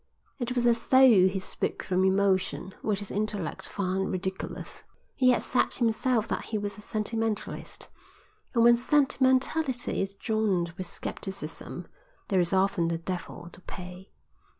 It was as though he spoke from emotion which his intellect found ridiculous. He had said himself that he was a sentimentalist, and when sentimentality is joined with scepticism there is often the devil to pay.